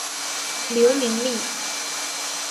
刘明利。